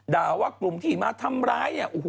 ด่าว่ากลุ่มที่มาทำร้ายเนี่ย